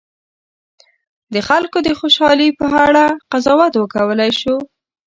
د خلکو د خوشالي په اړه قضاوت وکولای شو.